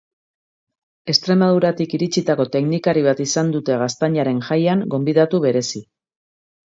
Extremaduratik iritsitako teknikari bat izan dute Gaztainaren Jaian gonbidatu berezi.